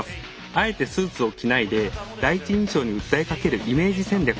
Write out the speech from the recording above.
あえてスーツを着ないで第一印象に訴えかけるイメージ戦略ですね。